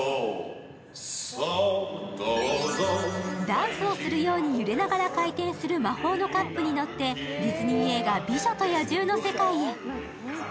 ダンスをするように揺れながら回転する魔法のカップに乗って、ディズニー映画「美女と野獣」の世界へ。